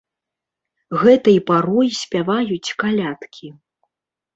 Гэтай парой спяваюць калядкі.